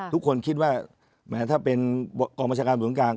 ทุกคนคิดว่าแม้ถ้าเป็นกองประชาการบนกลาง